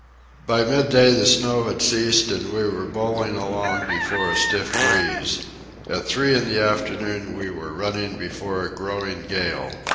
By midday the snow had ceased and we were bowling along before a stiff breeze. At three in the afternoon we were running before a growing gale.